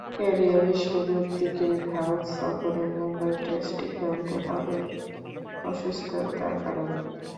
ক্যারিয়ারের শুরুর দিকেই ভারত সফরে মুম্বাই টেস্টটি খেলতে পারেননি অসুস্থতার কারণে।